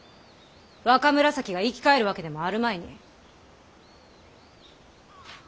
若紫が生き返るわけでもあるまいに。